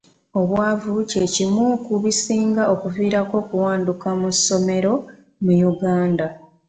Obwavu kye kimu ku bisinga okuviirako okuwanduka mu ssomero mu Uganda.